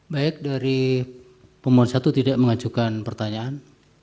baik dari pemohon satu tidak mengajukan pertanyaan